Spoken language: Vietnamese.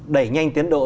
đẩy nhanh tiến độ